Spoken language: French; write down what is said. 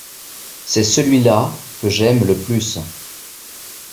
c'est celui-là que j'aime le plus.